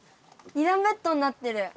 ２だんベッドになってる！